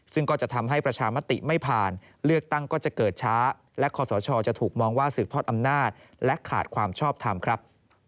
ซึ่งก็จะทำให้ประชามติไม่ผ่านเลือกตั้งก็จะเกิดช้าและคอสชจะถูกมองว่าสืบทอดอำนาจและขาดความชอบทำครับ